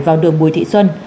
vào đường bùi thị xuân